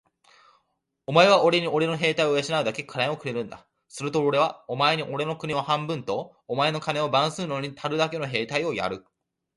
お前はおれにおれの兵隊を養うだけ金をくれるんだ。するとおれはお前におれの国を半分と、お前の金を番するのにたるだけの兵隊をやる。